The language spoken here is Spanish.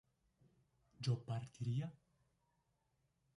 ¿yo partiría?